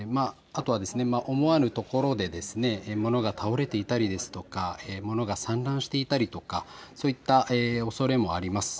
あとは思わぬところで物が倒れていたりですとか物が散乱していたりとかそういったおそれもあります。